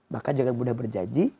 maka jangan mudah berjanji